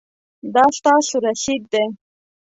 دا ستاسو رسید دی